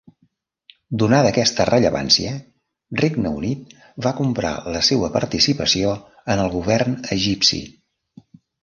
Donada aquesta rellevància, Regne Unit va comprar la seua participació en el govern egipci.